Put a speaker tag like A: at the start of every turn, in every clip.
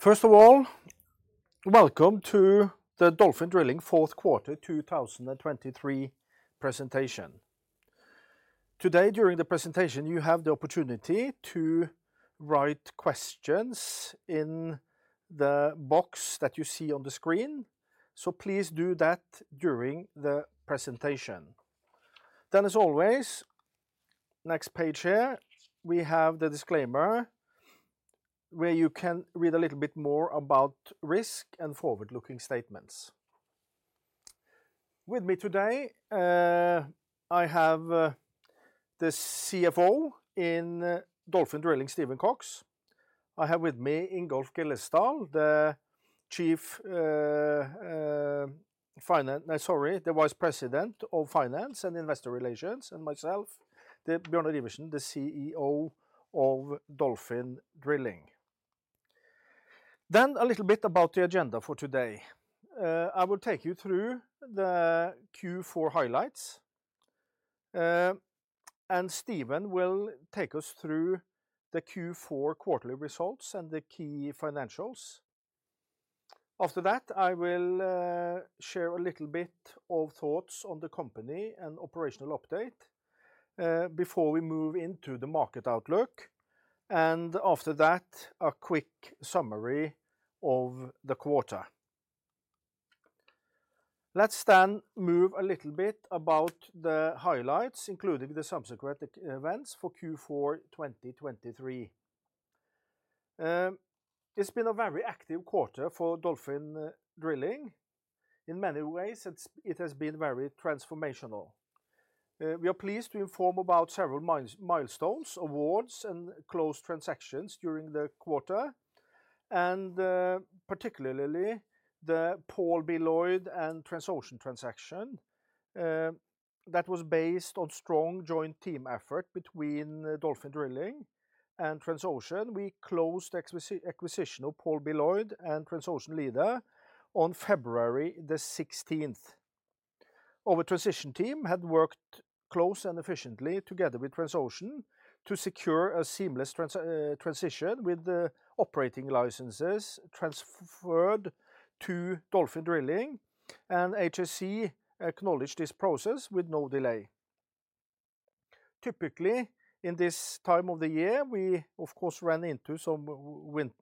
A: First of all, welcome to the Dolphin Drilling Fourth Quarter 2023 presentation. Today, during the presentation, you have the opportunity to write questions in the box that you see on the screen, so please do that during the presentation. As always, next page here, we have the disclaimer where you can read a little bit more about risk and forward-looking statements. With me today, I have the CFO of Dolphin Drilling, Stephen Cox. I have with me Ingolf Gillesdal, the Chief Finance—sorry, the Vice President of Finance and Investor Relations, and myself, Bjørnar Iversen, the CEO of Dolphin Drilling. A little bit about the agenda for today. I will take you through the Q4 highlights, and Stephen will take us through the Q4 quarterly results and the key financials. After that, I will share a little bit of thoughts on the company and operational update before we move into the market outlook, and after that, a quick summary of the quarter. Let's then move a little bit about the highlights, including the subsequent events for Q4 2023. It's been a very active quarter for Dolphin Drilling. In many ways, it has been very transformational. We are pleased to inform about several milestones, awards, and closed transactions during the quarter, and particularly the Paul B. Loyd, Jr. and Transocean transaction that was based on strong joint team effort between Dolphin Drilling and Transocean. We closed the acquisition of Paul B. Loyd, Jr. andTransocean Leader, on February 16th. Our transition team had worked close and efficiently together with Transocean to secure a seamless transition with the operating licenses transferred to Dolphin Drilling, and HSE acknowledged this process with no delay. Typically, in this time of the year, we, of course, ran into some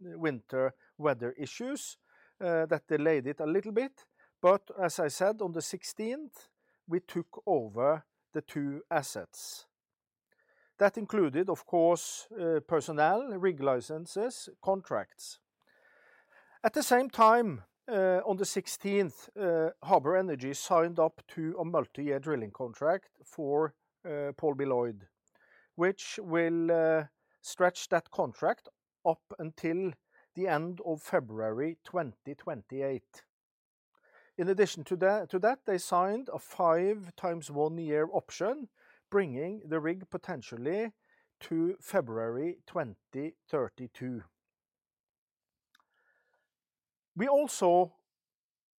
A: winter weather issues that delayed it a little bit, but as I said, on the 16th, we took over the two assets. That included, of course, personnel, rig licenses, contracts. At the same time, on the 16th, Harbour Energy signed up to a multi-year drilling contract for Paul B. Loyd, Jr., which will stretch that contract up until the end of February 2028. In addition to that, they signed a five times one year option, bringing the rig potentially to February 2032. We also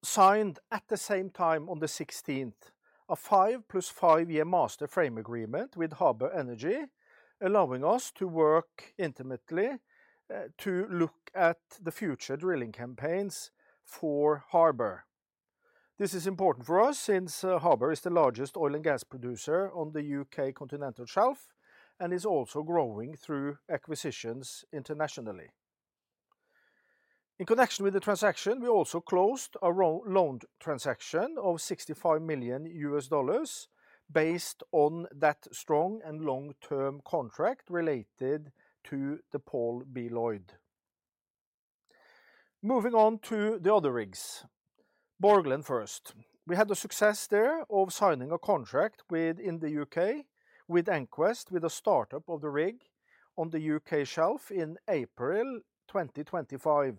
A: signed, at the same time, on the 16th, a five plus five year master frame agreement with Harbour Energy, allowing us to work intimately to look at the future drilling campaigns for Harbour. This is important for us since Harbour Energy is the largest oil and gas producer on the U.K. Continental Shelf and is also growing through acquisitions internationally. In connection with the transaction, we also closed a loan transaction of $65 million based on that strong and long-term contract related to the Paul B. Loyd, Jr.. Moving on to the other rigs, Borgland Dolphin first. We had a success there of signing a contract in the U.K. with EnQuest, with a startup of the rig on the U.K. shelf in April 2025.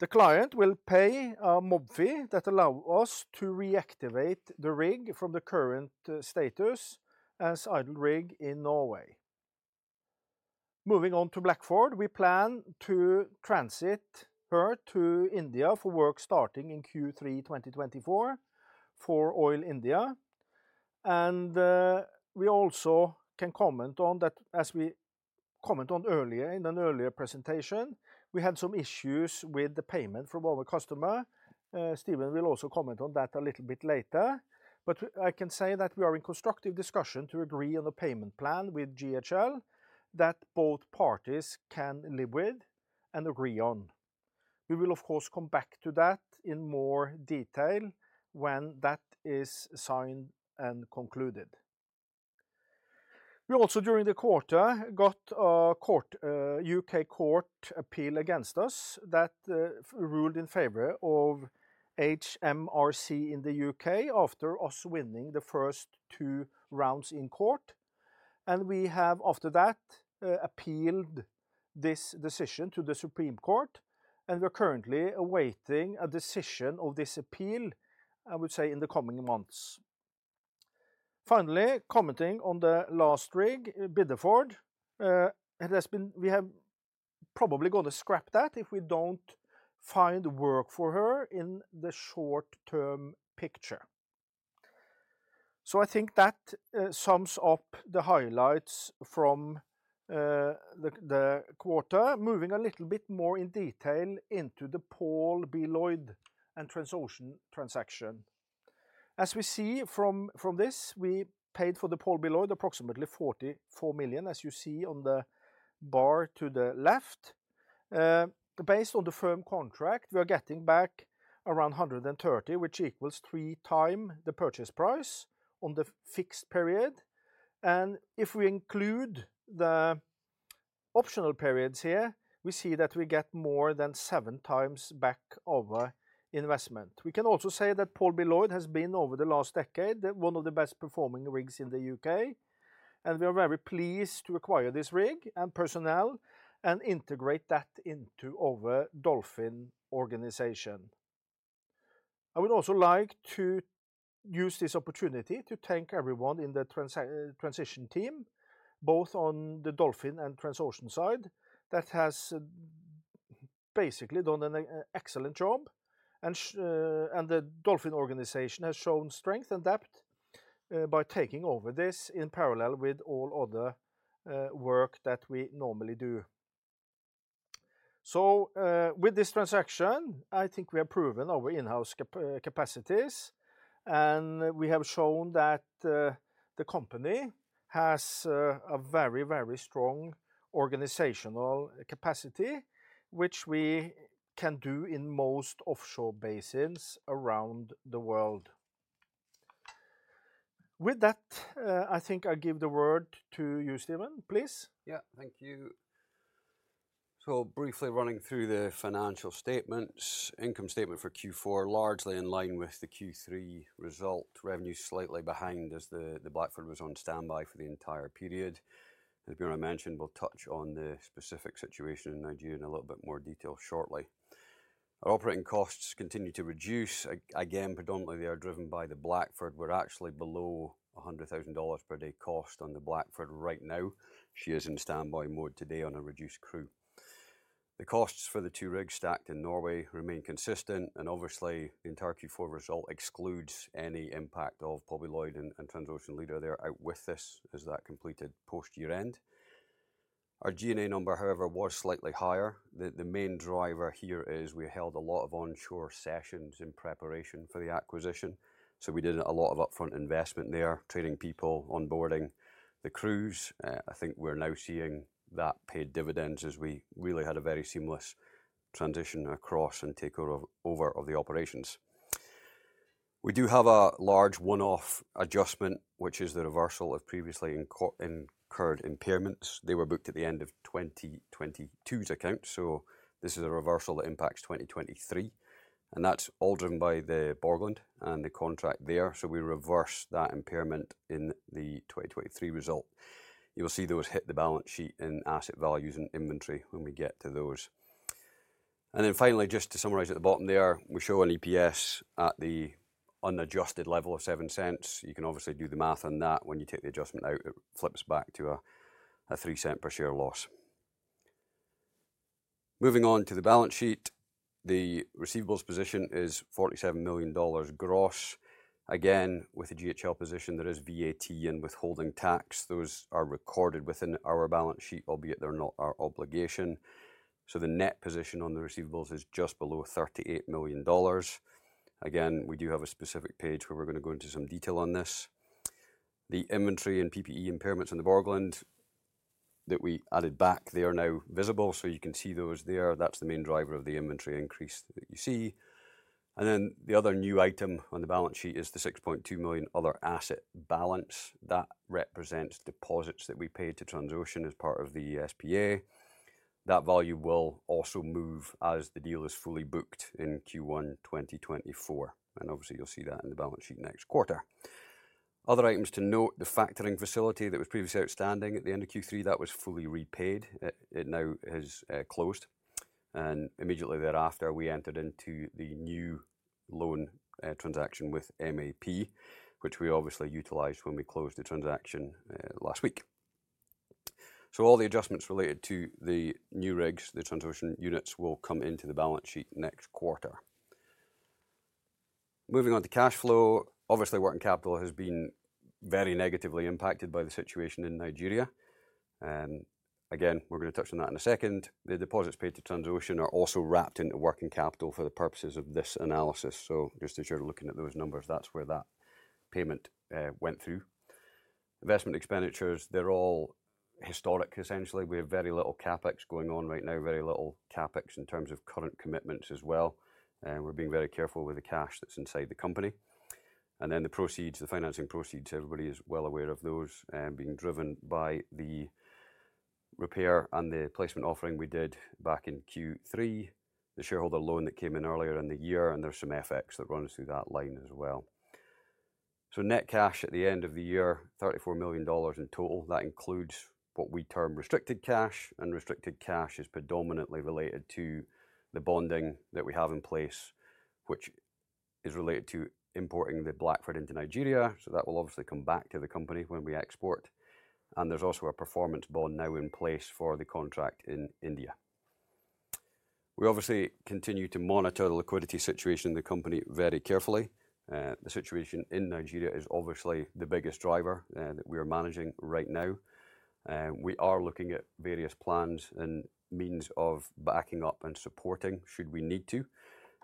A: The client will pay a MOB fee that allows us to reactivate the rig from the current status as idle rig in Norway. Moving on to Blackford, we plan to transit her to India for work starting in Q3 2024 for Oil India, and we also can comment on that, as we commented on earlier in an earlier presentation, we had some issues with the payment from our customer. Stephen will also comment on that a little bit later, but I can say that we are in constructive discussion to agree on a payment plan with GHL that both parties can live with and agree on. We will, of course, come back to that in more detail when that is signed and concluded. We also, during the quarter, got a U.K. court appeal against us that ruled in favor of HMRC in the U.K. after us winning the first two rounds in court, and we have, after that, appealed this decision to the Supreme Court, and we are currently awaiting a decision of this appeal, I would say, in the coming months. Finally, commenting on the last rig, Bideford, we have probably got to scrap that if we don't find work for her in the short-term picture. So I think that sums up the highlights from the quarter, moving a little bit more in detail into the Paul B. Loyd, Jr. and Transocean transaction. As we see from this, we paid for the Paul B. Loyd, Jr. approximately $44 million, as you see on the bar to the left. Based on the firm contract, we are getting back around $130 million, which equals 3x the purchase price on the fixed period, and if we include the optional periods here, we see that we get more than 7x back our investment. We can also say that Paul B. Loyd, Jr. has been, over the last decade, one of the best performing rigs in the U.K., and we are very pleased to acquire this rig and personnel and integrate that into our Dolphin organization. I would also like to use this opportunity to thank everyone in the transition team, both on the Dolphin and Transocean side, that has basically done an excellent job, and the Dolphin organization has shown strength and depth by taking over this in parallel with all other work that we normally do. So with this transaction, I think we have proven our in-house capacities, and we have shown that the company has a very, very strong organizational capacity, which we can do in most offshore basins around the world. With that, I think I give the word to you, Stephen. Please.
B: Yeah, thank you. So briefly running through the financial statements, income statement for Q4 largely in line with the Q3 result, revenue slightly behind as the Blackford was on standby for the entire period. As Bjørn mentioned, we'll touch on the specific situation in Nigeria in a little bit more detail shortly. Our operating costs continue to reduce. Again, predominantly they are driven by the Blackford. We're actually below $100,000 per day cost on the Blackford right now. She is in standby mode today on a reduced crew. The costs for the two rigs stacked in Norway remain consistent, and obviously, the entire Q4 result excludes any impact of Paul B. Loyd, Jr. and Transocean Leader there out with this as that completed post-year end. Our G&A number, however, was slightly higher. The main driver here is we held a lot of onshore sessions in preparation for the acquisition, so we did a lot of upfront investment there, training people, onboarding the crews. I think we're now seeing that paid dividends as we really had a very seamless transition across and takeover of the operations. We do have a large one-off adjustment, which is the reversal of previously incurred impairments. They were booked at the end of 2022's account, so this is a reversal that impacts 2023, and that's all driven by the Borgland and the contract there, so we reverse that impairment in the 2023 result. You will see those hit the balance sheet in asset values and inventory when we get to those. Then finally, just to summarize at the bottom there, we show an EPS at the unadjusted level of $0.07. You can obviously do the math on that. When you take the adjustment out, it flips back to a $0.03 per share loss. Moving on to the balance sheet, the receivables position is $47 million gross. Again, with the GHL position, there is VAT and withholding tax. Those are recorded within our balance sheet, albeit they're not our obligation. So the net position on the receivables is just below $38 million. Again, we do have a specific page where we're going to go into some detail on this. The inventory and PPE impairments on the Borgland that we added back, they are now visible, so you can see those there. That's the main driver of the inventory increase that you see. And then the other new item on the balance sheet is the $6.2 million other asset balance. That represents deposits that we paid to Transocean as part of the SPA. That value will also move as the deal is fully booked in Q1 2024, and obviously, you'll see that in the balance sheet next quarter. Other items to note, the factoring facility that was previously outstanding at the end of Q3, that was fully repaid. It now has closed, and immediately thereafter, we entered into the new loan transaction with MAP, which we obviously utilized when we closed the transaction last week. So all the adjustments related to the new rigs, the Transocean units, will come into the balance sheet next quarter. Moving on to cash flow, obviously, working capital has been very negatively impacted by the situation in Nigeria. Again, we're going to touch on that in a second. The deposits paid to Transocean are also wrapped into working capital for the purposes of this analysis. So just as you're looking at those numbers, that's where that payment went through. Investment expenditures, they're all historic, essentially. We have very little CapEx going on right now, very little CapEx in terms of current commitments as well, and we're being very careful with the cash that's inside the company. And then the proceeds, the financing proceeds, everybody is well aware of those, being driven by the repair and the placement offering we did back in Q3, the shareholder loan that came in earlier in the year, and there's some FX that runs through that line as well. So net cash at the end of the year, $34 million in total. That includes what we term restricted cash, and restricted cash is predominantly related to the bonding that we have in place, which is related to importing the Blackford into Nigeria. So that will obviously come back to the company when we export. And there's also a performance bond now in place for the contract in India. We obviously continue to monitor the liquidity situation in the company very carefully. The situation in Nigeria is obviously the biggest driver that we are managing right now. We are looking at various plans and means of backing up and supporting should we need to.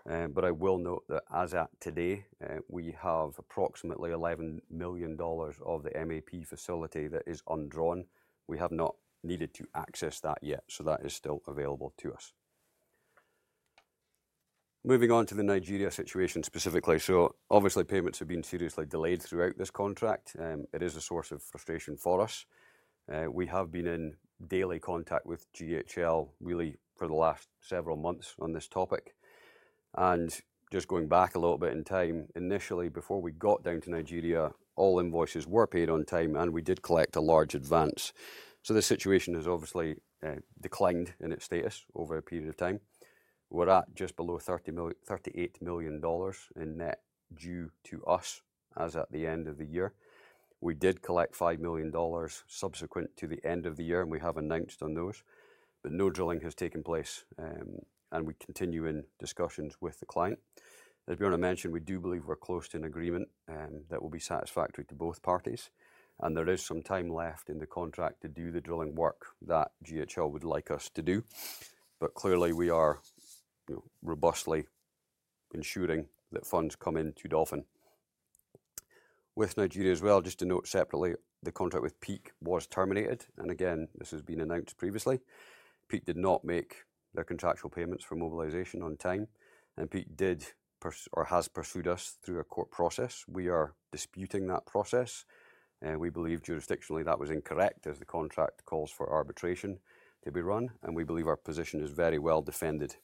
B: But I will note that as at today, we have approximately $11 million of the MAP facility that is undrawn. We have not needed to access that yet, so that is still available to us. Moving on to the Nigeria situation specifically. So obviously, payments have been seriously delayed throughout this contract. It is a source of frustration for us. We have been in daily contact with GHL, really, for the last several months on this topic. Just going back a little bit in time, initially, before we got down to Nigeria, all invoices were paid on time, and we did collect a large advance. The situation has obviously declined in its status over a period of time. We're at just below $38 million in net due to us as at the end of the year. We did collect $5 million subsequent to the end of the year, and we have announced on those, but no drilling has taken place, and we continue in discussions with the client. As Bjørnar mentioned, we do believe we're close to an agreement that will be satisfactory to both parties, and there is some time left in the contract to do the drilling work that GHL would like us to do. Clearly, we are robustly ensuring that funds come in too often. With Nigeria as well, just to note separately, the contract with Peak was terminated, and again, this has been announced previously. Peak did not make their contractual payments for mobilization on time, and Peak did or has pursued us through a court process. We are disputing that process. We believe jurisdictionally that was incorrect as the contract calls for arbitration to be run, and we believe our position is very well defended.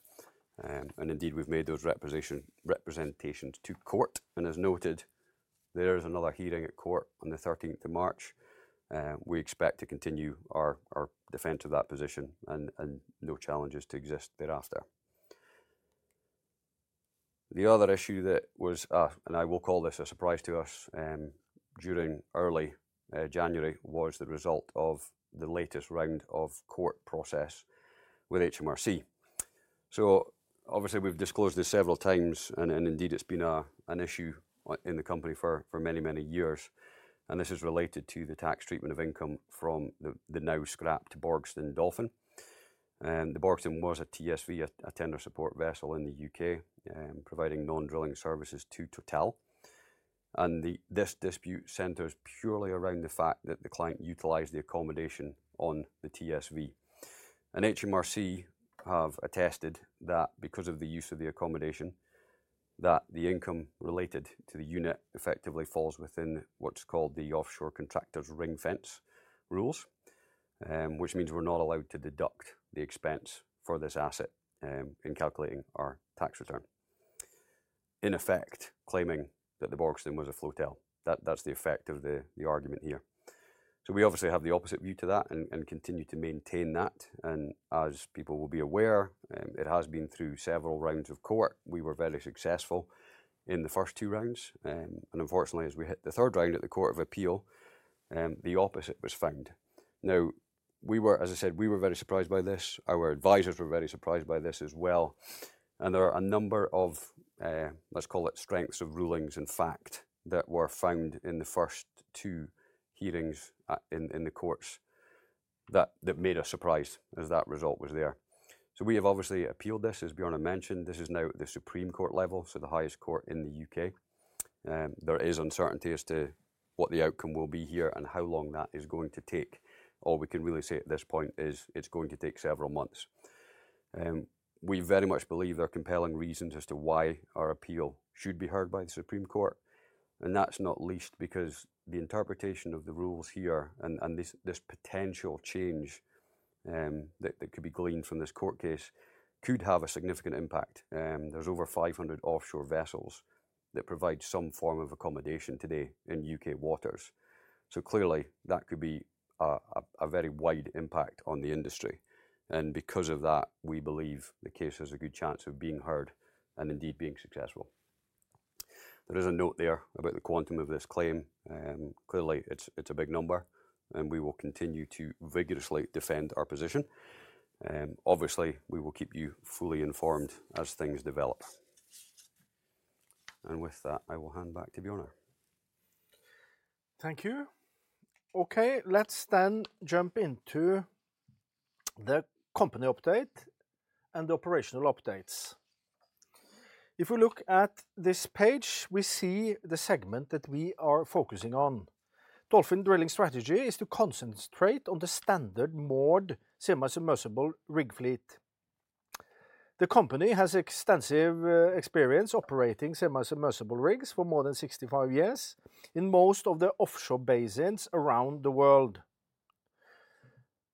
B: And indeed, we've made those representations to court, and as noted, there is another hearing at court on the 13th of March. We expect to continue our defense of that position, and no challenges to exist thereafter. The other issue that was, and I will call this a surprise to us, during early January was the result of the latest round of court process with HMRC. So obviously, we've disclosed this several times, and indeed, it's been an issue in the company for many, many years, and this is related to the tax treatment of income from the now scrapped Borgsten Dolphin. The Borgsten was a TSV, a tender support vessel in the U.K., providing non-drilling services to Total, and this dispute centers purely around the fact that the client utilized the accommodation on the TSV. And HMRC have attested that because of the use of the accommodation, the income related to the unit effectively falls within what's called the Offshore Contractors Ring Fence rules, which means we're not allowed to deduct the expense for this asset in calculating our tax return. In effect, claiming that the Borgsten was a floatel. That's the effect of the argument here. So we obviously have the opposite view to that and continue to maintain that. As people will be aware, it has been through several rounds of court. We were very successful in the first two rounds, and unfortunately, as we hit the third round at the Court of Appeal, the opposite was found. Now, as I said, we were very surprised by this. Our advisors were very surprised by this as well, and there are a number of, let's call it, strengths of rulings in fact that were found in the first two hearings in the courts that made us surprised as that result was there. We have obviously appealed this. As Bjørn mentioned, this is now at the Supreme Court level, so the highest court in the U.K.. There is uncertainty as to what the outcome will be here and how long that is going to take. All we can really say at this point is it's going to take several months. We very much believe there are compelling reasons as to why our appeal should be heard by the Supreme Court, and that's not least because the interpretation of the rules here and this potential change that could be gleaned from this court case could have a significant impact. There's over 500 offshore vessels that provide some form of accommodation today in U.K. waters. So clearly, that could be a very wide impact on the industry, and because of that, we believe the case has a good chance of being heard and indeed being successful. There is a note there about the quantum of this claim. Clearly, it's a big number, and we will continue to vigorously defend our position. Obviously, we will keep you fully informed as things develop. With that, I will hand back to Bjørn.
A: Thank you. Okay, let's then jump into the company update and the operational updates. If we look at this page, we see the segment that we are focusing on. Dolphin Drilling strategy is to concentrate on the standard moored semi-submersible rig fleet. The company has extensive experience operating semi-submersible rigs for more than 65 years in most of the offshore basins around the world.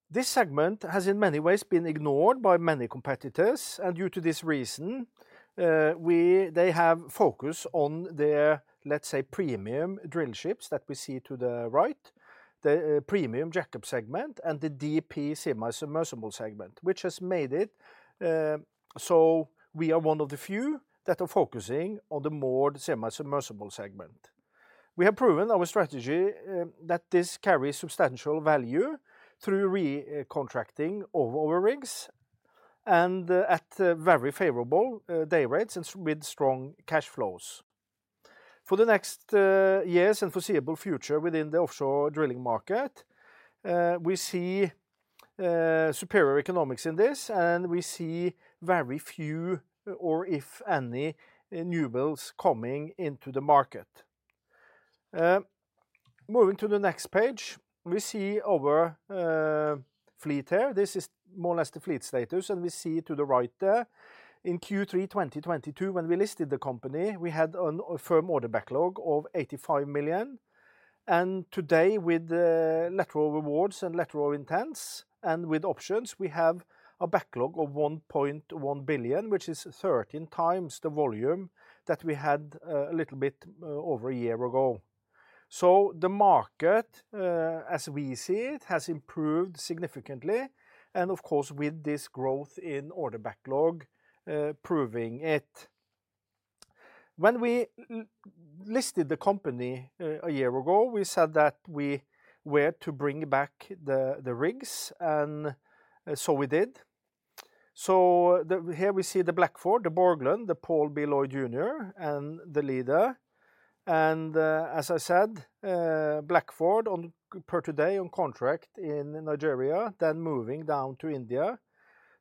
A: This segment has, in many ways, been ignored by many competitors, and due to this reason, they have focused on their, let's say, premium drill ships that we see to the right, the premium jack-up segment, and the DP semi-submersible segment, which has made it so we are one of the few that are focusing on the moored semi-submersible segment. We have proven our strategy that this carries substantial value through recontracting all of our rigs and at very favorable day rates and with strong cash flows. For the next years and foreseeable future within the offshore drilling market, we see superior economics in this, and we see very few or, if any, newbuilds coming into the market. Moving to the next page, we see our fleet here. This is more or less the fleet status, and we see to the right there, in Q3 2022, when we listed the company, we had a firm order backlog of $85 million, and today, with letters of award and letters of intent and with options, we have a backlog of $1.1 billion, which is 13x the volume that we had a little bit over a year ago. So the market, as we see it, has improved significantly, and of course, with this growth in order backlog proving it. When we listed the company a year ago, we said that we were to bring back the rigs, and so we did. So here we see the Blackford, the Borgland, the Paul B. Loyd, Jr., and the Dolphin Leader. And as I said, Blackford, per today, on contract in Nigeria, then moving down to India.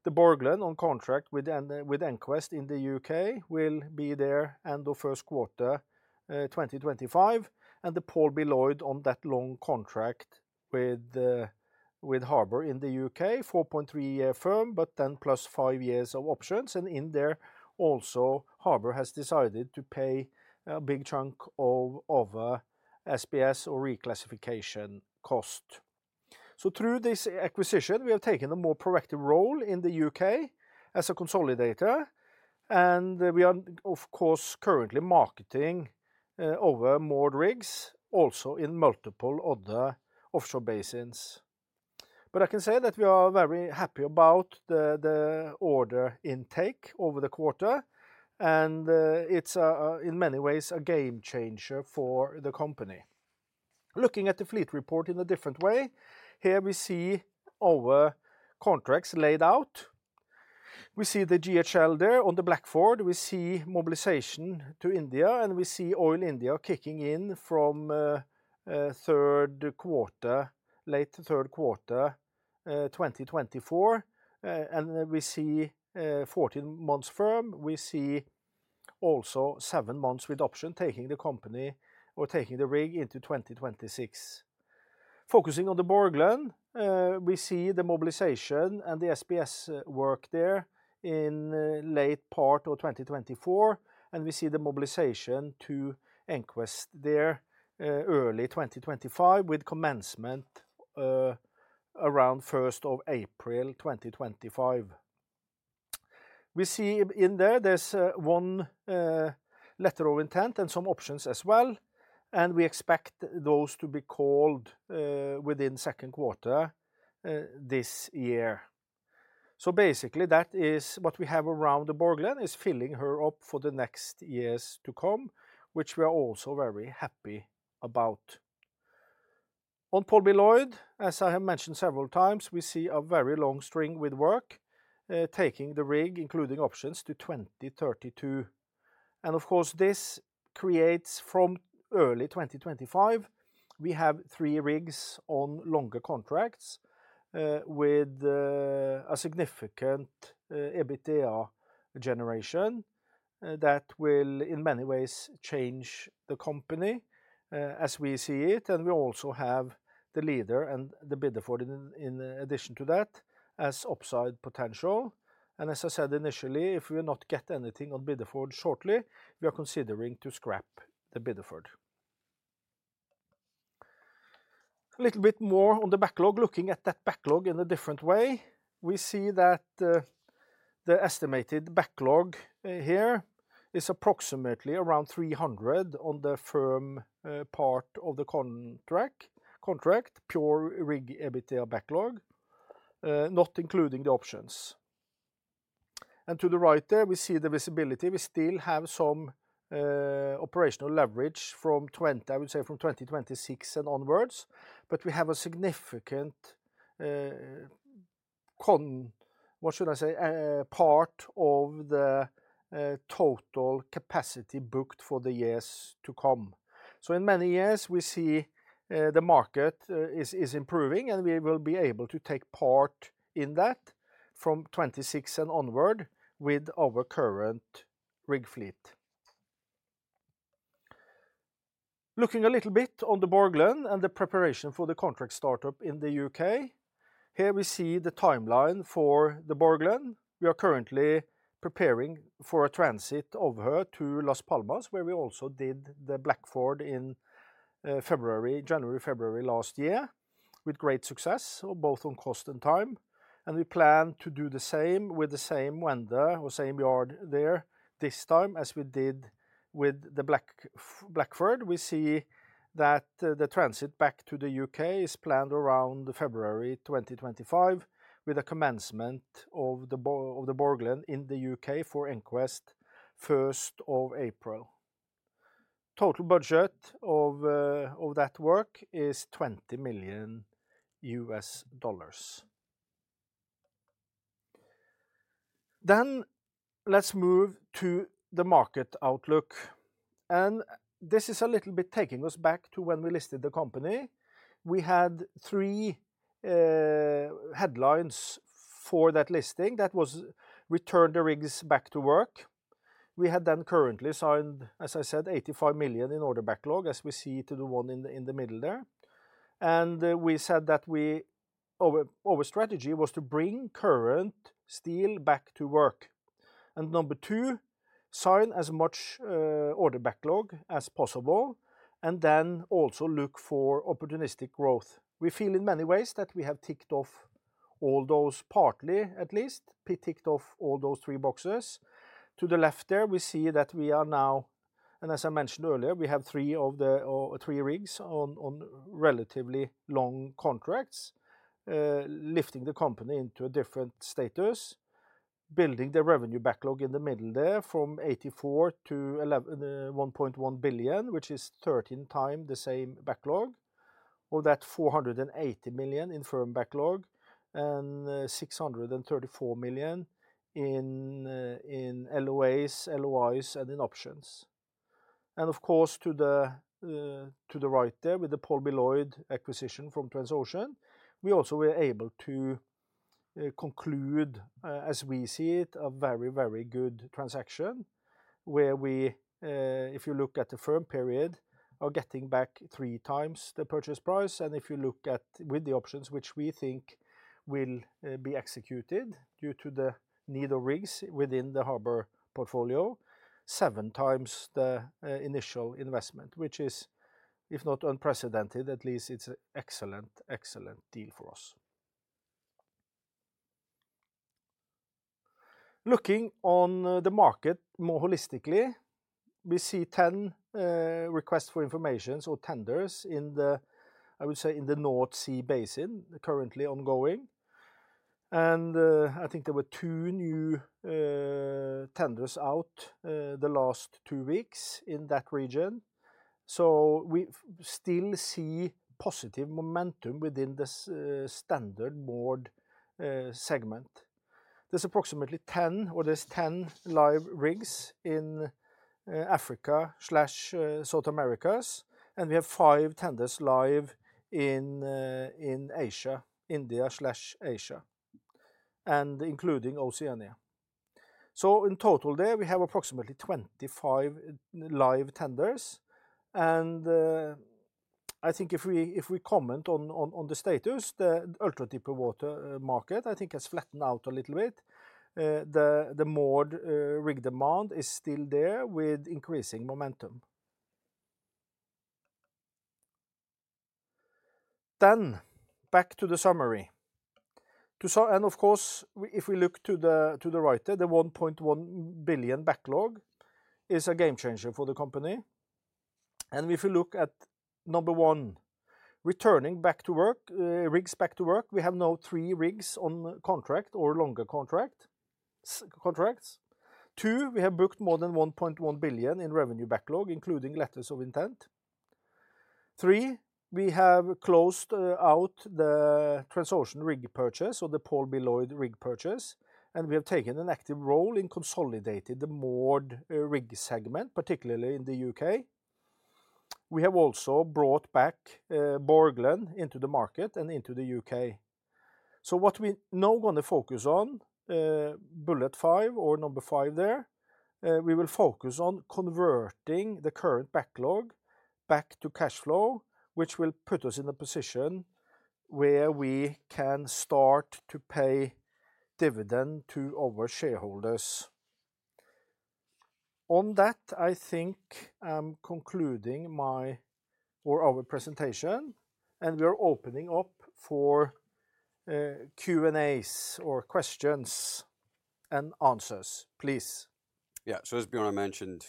A: The Borgland, on contract with EnQuest in the U.K., will be there end of first quarter 2025, and the Paul B. Loyd, Jr. on that long contract with Harbour in the U.K., 4.3-year firm, but then plus five years of options, and in there also, Harbour has decided to pay a big chunk of other SPS or reclassification cost. So through this acquisition, we have taken a more proactive role in the U.K. as a consolidator, and we are, of course, currently marketing other moored rigs also in multiple other offshore basins. But I can say that we are very happy about the order intake over the quarter, and it's, in many ways, a game changer for the company. Looking at the fleet report in a different way, here we see our contracts laid out. We see the GHL there on the Blackford. We see mobilization to India, and we see Oil India kicking in from late third quarter 2024, and we see 14 months firm. We see also seven months with option taking the company or taking the rig into 2026. Focusing on the Borgland, we see the mobilization and the SPS work there in late part of 2024, and we see the mobilization to EnQuest there early 2025 with commencement around of April 1st, 2025. We see in there there's one letter of intent and some options as well, and we expect those to be called within second quarter this year. So basically, that is what we have around the Borgland, is filling her up for the next years to come, which we are also very happy about. On Paul B. Loyd Jr., as I have mentioned several times, we see a very long string with work taking the rig, including options, to 2032. And of course, this creates from early 2025, we have three rigs on longer contracts with a significant EBITDA generation that will, in many ways, change the company as we see it, and we also have the Leader and the Bideford in addition to that as upside potential. And as I said initially, if we do not get anything on Bideford shortly, we are considering to scrap the Bideford. A little bit more on the backlog, looking at that backlog in a different way, we see that the estimated backlog here is approximately around $300 on the firm part of the contract, pure rig EBITDA backlog, not including the options. And to the right there, we see the visibility. We still have some operational leverage from, I would say, from 2026 and onwards, but we have a significant, what should I say, part of the total capacity booked for the years to come. So in many years, we see the market is improving, and we will be able to take part in that from 2026 and onward with our current rig fleet. Looking a little bit on the Borgland and the preparation for the contract startup in the U.K., here we see the timeline for the Borgland. We are currently preparing for a transit over to Las Palmas, where we also did the Blackford in January, February last year with great success, both on cost and time, and we plan to do the same with the same vendor or same yard there this time as we did with the Blackford. We see that the transit back to the U.K. is planned around February 2025 with a commencement of the Borgland Dolphin in the U.K. for EnQuest of April 1st. Total budget of that work is $20 million. Then let's move to the market outlook, and this is a little bit taking us back to when we listed the company. We had three headlines for that listing. That was "Return the Rigs Back to Work." We had then currently signed, as I said, $85 million in order backlog, as we see to the one in the middle there, and we said that our strategy was to bring current steel back to work. And number two, sign as much order backlog as possible, and then also look for opportunistic growth. We feel, in many ways, that we have ticked off all those, partly at least, ticked off all those three boxes. To the left there, we see that we are now, and as I mentioned earlier, we have three rigs on relatively long contracts, lifting the company into a different status, building the revenue backlog in the middle there from $84 million to $1.1 billion, which is 13x the same backlog of that $480 million in firm backlog and $634 million in LOAs, LOIs, and in options. And of course, to the right there, with the Paul B. Loyd, Jr. acquisition from Transocean, we also were able to conclude, as we see it, a very, very good transaction where we, if you look at the firm period, are getting back 3x the purchase price, and if you look at the options, which we think will be executed due to the need of rigs within the Harbour portfolio, 7x the initial investment, which is, if not unprecedented, at least it's an excellent, excellent deal for us. Looking on the market more holistically, we see 10 requests for information or tenders in the, I would say, in the North Sea basin currently ongoing, and I think there were two new tenders out the last two weeks in that region. So we still see positive momentum within the standard moored segment. There's approximately 10, or there's 10 live rigs in Africa/South Americas, and we have five tenders live in Asia, India/Asia, and including Oceania. So in total there, we have approximately 25 live tenders, and I think if we comment on the status, the ultra-deepwater market, I think has flattened out a little bit. The moored rig demand is still there with increasing momentum. Then, back to the summary, and of course, if we look to the right there, the $1.1 billion backlog is a game changer for the company, and if we look at number one, returning back to work, rigs back to work, we have now three rigs on contract or longer contracts. Two, we have booked more than $1.1 billion in revenue backlog, including letters of intent. Three, we have closed out the Transocean rig purchase or the Paul B. Loyd Jr. rig purchase, and we have taken an active role in consolidating the moored rig segment, particularly in the U.K.. We have also brought back Borgland into the market and into the U.K.. So what we are now going to focus on, bullet five or number five there, we will focus on converting the current backlog back to cash flow, which will put us in a position where we can start to pay dividends to our shareholders. On that, I think I'm concluding my or our presentation, and we are opening up for Q&As or questions and answers, please.
B: Yeah, so as Bjørnar mentioned,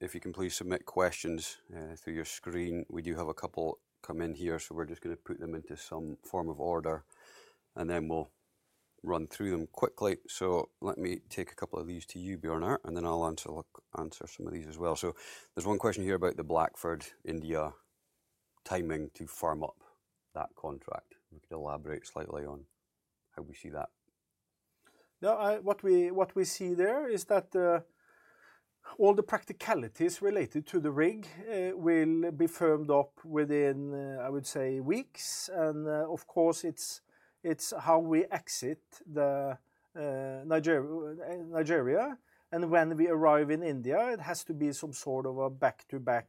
B: if you can please submit questions through your screen, we do have a couple come in here, so we're just going to put them into some form of order, and then we'll run through them quickly. So let me take a couple of these to you, Bjørnar, and then I'll answer some of these as well. So there's one question here about the Blackford, India timing to firm up that contract. If you could elaborate slightly on how we see that.
A: Yeah, what we see there is that all the practicalities related to the rig will be firmed up within, I would say, weeks, and of course, it's how we exit Nigeria, and when we arrive in India, it has to be some sort of a back-to-back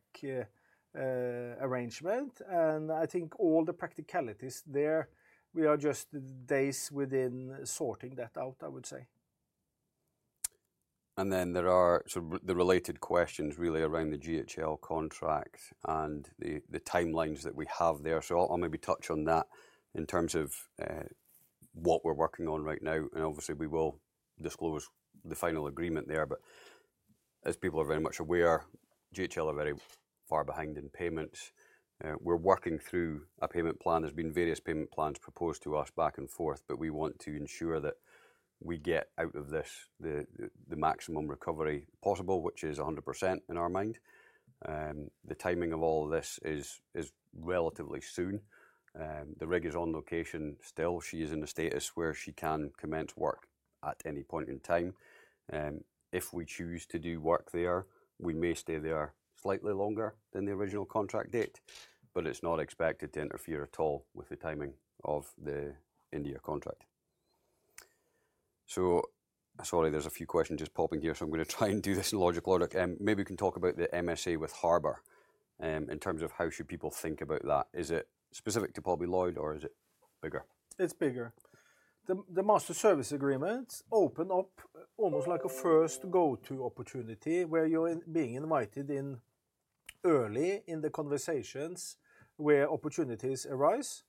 A: arrangement, and I think all the practicalities there, we are just days within sorting that out, I would say.
B: And then there are sort of the related questions really around the GHL contract and the timelines that we have there, so I'll maybe touch on that in terms of what we're working on right now? And obviously, we will disclose the final agreement there, but as people are very much aware, GHL are very far behind in payments. We're working through a payment plan. There's been various payment plans proposed to us back and forth, but we want to ensure that we get out of this the maximum recovery possible, which is 100% in our mind. The timing of all of this is relatively soon. The rig is on location still. She is in a status where she can commence work at any point in time. If we choose to do work there, we may stay there slightly longer than the original contract date, but it's not expected to interfere at all with the timing of the India contract. Sorry, there's a few questions just popping here, so I'm going to try and do this in logical order. Maybe we can talk about the MSA with Harbour in terms of how should people think about that. Is it specific to Paul B. Loyd, Jr., or is it bigger? It's bigger.
A: The Master Service Agreement opened up almost like a first go-to opportunity where you're being invited early in the conversations where opportunities arise.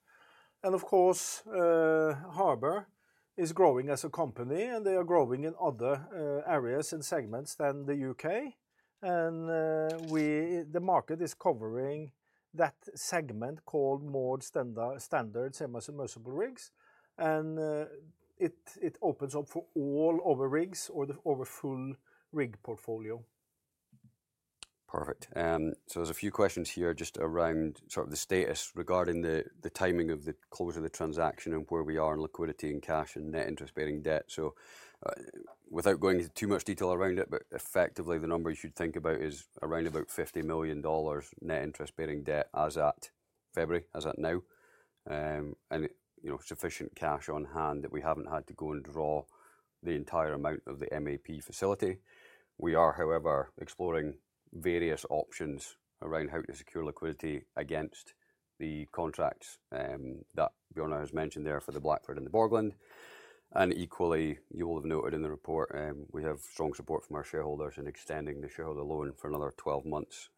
A: And of course, Harbour is growing as a company, and they are growing in other areas and segments than the U.K., and the market is covering that segment called moored standard, same as immersible rigs, and it opens up for all other rigs or the full rig portfolio.
B: Perfect. So there's a few questions here just around sort of the status regarding the timing of the close of the transaction and where we are in liquidity and cash and net interest-bearing debt. So without going into too much detail around it, but effectively, the number you should think about is around about $50 million net interest-bearing debt as at February, as at now, and sufficient cash on hand that we haven't had to go and draw the entire amount of the MAP facility. We are, however, exploring various options around how to secure liquidity against the contracts that Bjørnar has mentioned there for the Blackford and the Borgland. And equally, you will have noted in the report, we have strong support from our shareholders in extending the shareholder loan for another 12 months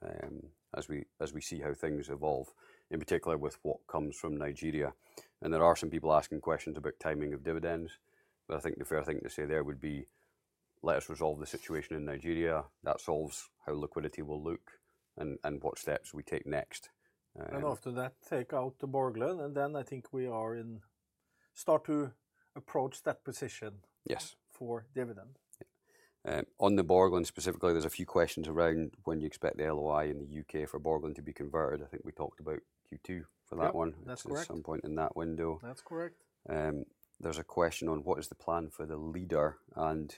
B: as we see how things evolve, in particular with what comes from Nigeria. And there are some people asking questions about timing of dividends, but I think the fair thing to say there would be, "Let us resolve the situation in Nigeria. That solves how liquidity will look and what steps we take next."
A: After that, take out the Borgland, and then I think we are in start to approach that position for dividend.
B: Yes. On the Borgland specifically, there's a few questions around when you expect the LOI in the U.K. for Borgland to be converted. I think we talked about Q2 for that one at some point in that window. That's correct. There's a question on what is the plan for the Leader, and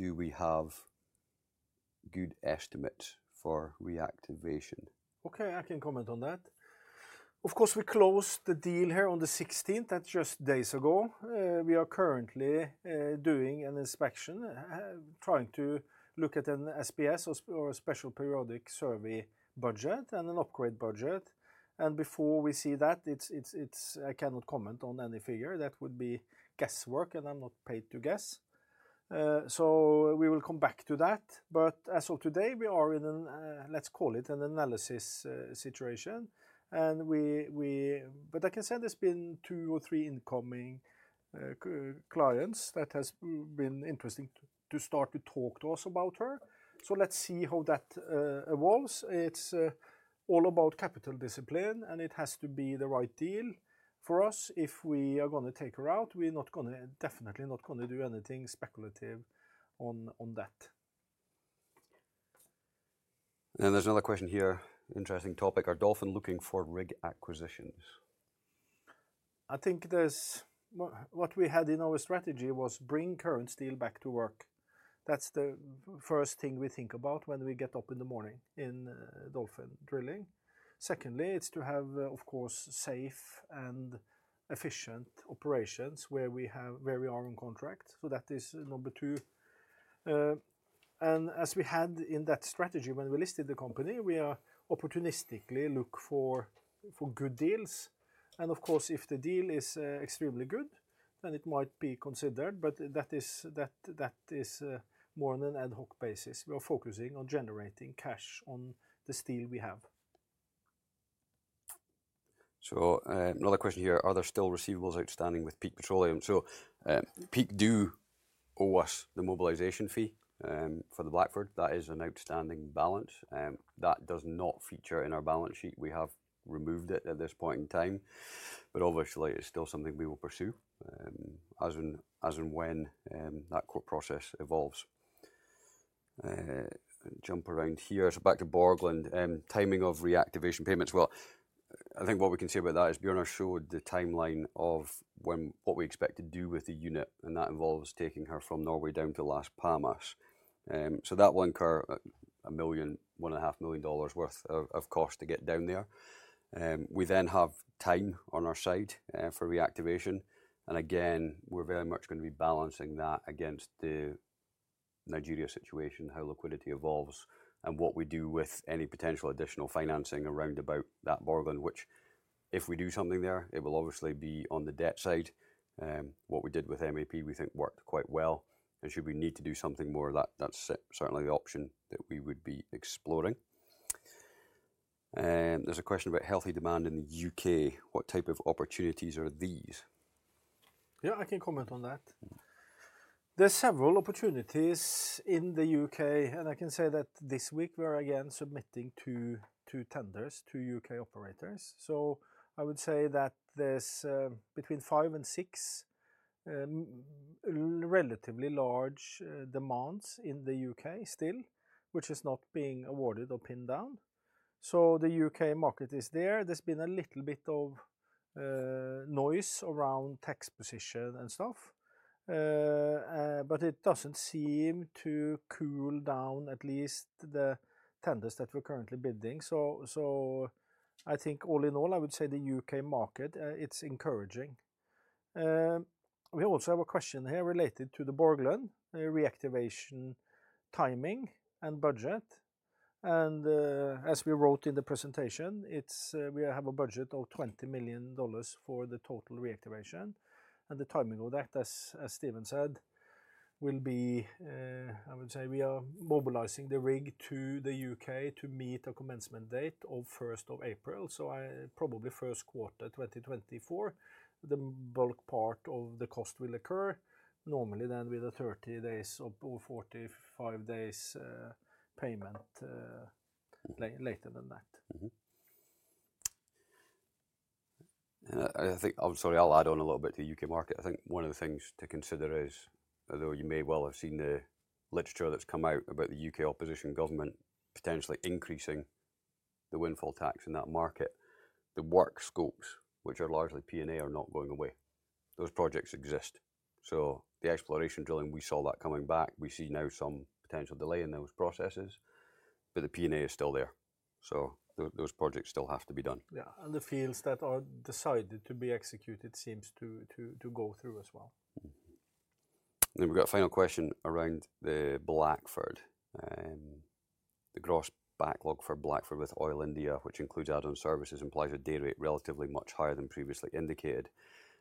B: do we have good estimates for reactivation?
A: Okay, I can comment on that. Of course, we closed the deal here on the 16th. That's just days ago. We are currently doing an inspection, trying to look at an SBS or a special periodic survey budget and an upgrade budget, and before we see that, I cannot comment on any figure. That would be guesswork, and I'm not paid to guess. So we will come back to that, but as of today, we are in, let's call it, an analysis situation, and but I can say there's been two or three incoming clients that has been interesting to start to talk to us about her. So let's see how that evolves. It's all about capital discipline, and it has to be the right deal for us. If we are going to take her out, we're definitely not going to do anything speculative on that. There's another question here, interesting topic. Are Dolphin looking for rig acquisitions? I think what we had in our strategy was bring current steel back to work. That's the first thing we think about when we get up in the morning in Dolphin Drilling. Secondly, it's to have, of course, safe and efficient operations where we are on contract, so that is number two. And as we had in that strategy when we listed the company, we opportunistically look for good deals, and of course, if the deal is extremely good, then it might be considered, but that is more on an ad hoc basis. We are focusing on generating cash on the steel we have.
B: So another question here. Are there still receivables outstanding with Peak Petroleum? So Peak do owe us the mobilization fee for the Blackford. That is an outstanding balance. That does not feature in our balance sheet. We have removed it at this point in time, but obviously, it's still something we will pursue as and when that court process evolves. Jump around here. So back to Borgland, timing of reactivation payments. Well, I think what we can say about that is Bjørnar showed the timeline of what we expect to do with the unit, and that involves taking her from Norway down to Las Palmas. So that will incur $1 million-$1.5 million worth of cost to get down there. We then have time on our side for reactivation, and again, we're very much going to be balancing that against the Nigeria situation, how liquidity evolves, and what we do with any potential additional financing around about that Borgland, which if we do something there, it will obviously be on the debt side. What we did with MAP, we think, worked quite well, and should we need to do something more, that's certainly the option that we would be exploring. There's a question about healthy demand in the U.K.. What type of opportunities are these?
A: Yeah, I can comment on that. There's several opportunities in the U.K., and I can say that this week, we are again submitting two tenders to U.K. operators. So I would say that there's between five and six relatively large demands in the U.K. still, which is not being awarded or pinned down. So the U.K. market is there. There's been a little bit of noise around tax position and stuff, but it doesn't seem to cool down, at least the tenders that we're currently bidding. So I think all in all, I would say the U.K. market, it's encouraging. We also have a question here related to the Borgland, reactivation timing and budget. As we wrote in the presentation, we have a budget of $20 million for the total reactivation, and the timing of that, as Stephen said, will be, I would say, we are mobilizing the rig to the U.K. to meet a commencement date of April 1st, so probably first quarter 2024, the bulk part of the cost will occur, normally then with 30 days or 45 days payment later than that.
B: I think, sorry, I'll add on a little bit to the U.K. market. I think one of the things to consider is, although you may well have seen the literature that's come out about the U.K. opposition government potentially increasing the windfall tax in that market, the work scopes, which are largely P&A, are not going away. Those projects exist. So the exploration drilling, we saw that coming back. We see now some potential delay in those processes, but the P&A is still there. So those projects still have to be done. Yeah, and the fields that are decided to be executed seem to go through as well. Then we've got a final question around the Blackford. The gross backlog for Blackford with Oil India, which includes add-on services, implies a day rate relatively much higher than previously indicated.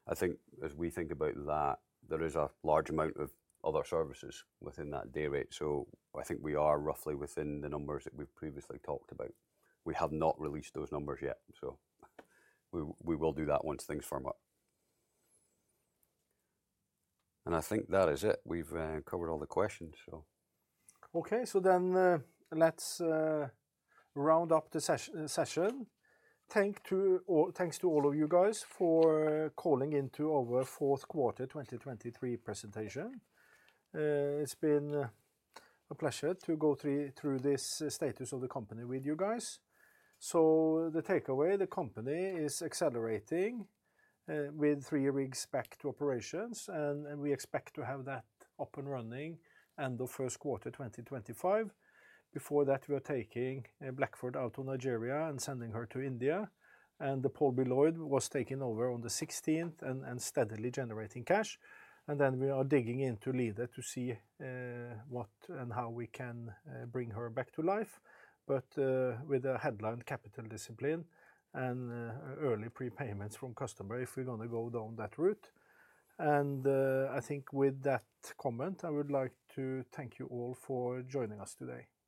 B: I think as we think about that, there is a large amount of other services within that day rate, so I think we are roughly within the numbers that we've previously talked about. We have not released those numbers yet, so we will do that once things firm up. And I think that is it. We've covered all the questions, so.
A: Okay, so then let's round up the session. Thanks to all of you guys for calling into our fourth quarter 2023 presentation. It's been a pleasure to go through this status of the company with you guys. So the takeaway, the company is accelerating with three rigs back to operations, and we expect to have that up and running end of first quarter 2025. Before that, we are taking Blackford out of Nigeria and sending her to India, and the Paul B. Loyd Jr. was taken over on the 16th and steadily generating cash, and then we are digging into Leader to see what and how we can bring her back to life, but with a headline capital discipline and early prepayments from customers if we're going to go down that route. I think with that comment, I would like to thank you all for joining us today.